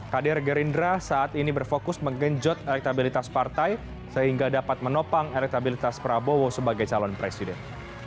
kader gerindra saat ini berfokus menggenjot elektabilitas partai sehingga dapat menopang elektabilitas prabowo sebagai calon presiden